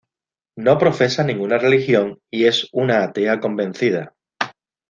No profesa ninguna religión y es una atea convencida.